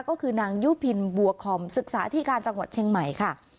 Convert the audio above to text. ก็คือนางยุพินบัวคอมศึกษาที่การจังหวัดเชียงใหม่ค่ะ